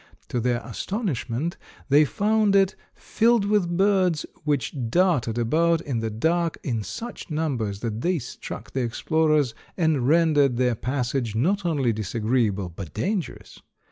To their astonishment they found it filled with birds which darted about in the dark in such numbers that they struck the explorers and rendered their passage not only disagreeable, but dangerous.